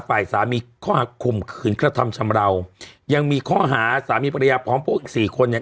ฝ่ายศาลจึงโดยแจ้งข้อหาฟัยศาลของผู้สี่คนเนี่ย